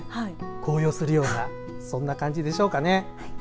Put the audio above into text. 高揚するようなそんな感じでしょうかね。